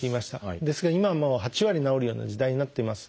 ですが今はもう８割治るような時代になっています。